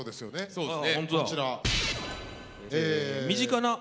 そうです！